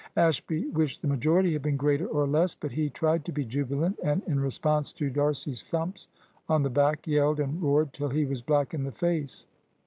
Ashby wished the majority had been greater or less. But he tried to be jubilant, and in response to D'Arcy's thumps on the back yelled and roared till he was black in the face.